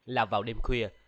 là vào đêm khuya